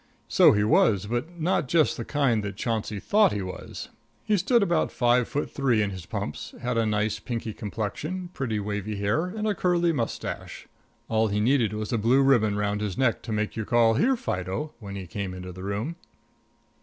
So he was, but not just the kind that Chauncey thought he was. He stood about five foot three in his pumps, had a nice pinky complexion, pretty wavy hair, and a curly mustache. All he needed was a blue ribbon around his neck to make you call, "Here, Fido," when he came into the room.